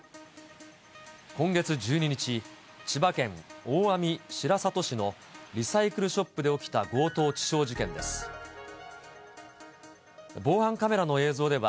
今月１２日、千葉県大網白里市のリサイクルショップで起きた強盗致傷事件です。